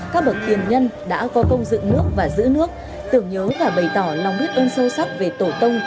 các bậc tiền nhân đã có công dựng nước và giữ nước tưởng nhớ và bày tỏ lòng biết ơn sâu sắc về tổ công